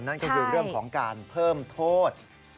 นั่นก็คือเรื่องของการเพิ่มโทษ